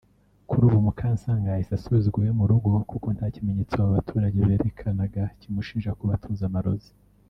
Kuri ubu Mukansanga yahise asubizwa iwe mu rugo kuko nta kimenyetso abo baturage berekanaga kimushinja kuba atunze amarozi